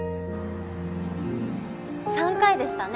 ３回でしたね。